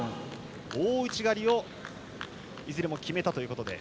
大内刈りをいずれも決めたということで。